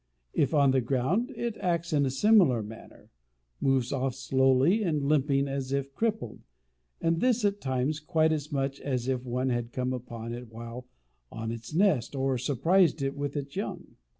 If on the ground, it acts in a similar manner, moves off slowly, and limping as if crippled, and this at times quite as much as if one had come upon it while on its nest, or surprised it with its young.